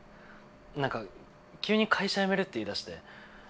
何か急に会社辞めるって言いだして。